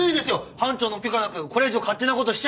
班長の許可なくこれ以上勝手な事しちゃ。